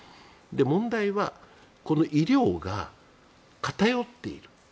問題は医療が偏っている。